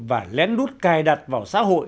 và lén lút cài đặt vào xã hội